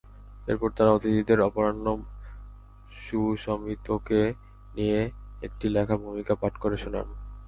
এরপর তারা অতিথিদের অপরাহ্ণ সুসমিতোকে নিয়ে একটি লেখা ভূমিকা পাঠ করে শোনান।